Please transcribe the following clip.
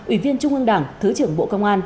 ủy viên trung ương đảng thứ trưởng bộ công an